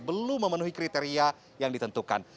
belum memenuhi kriteria yang ditentukan